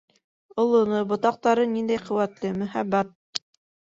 Олоно, ботаҡтары ниндәй ҡеүәтле, мөһабәт.